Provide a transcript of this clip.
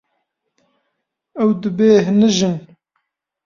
Ew dibêhnijin.